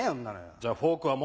じゃあフォークは？